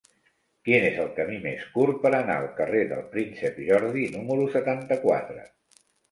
Quin és el camí més curt per anar al carrer del Príncep Jordi número setanta-quatre?